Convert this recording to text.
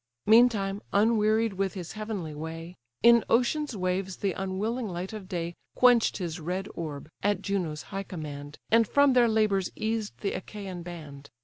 Meantime, unwearied with his heavenly way, In ocean's waves the unwilling light of day Quench'd his red orb, at Juno's high command, And from their labours eased the Achaian band.